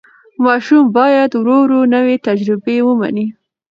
ماشوم باید ورو ورو نوې تجربې ومني.